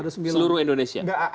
ada sembilan seluruh indonesia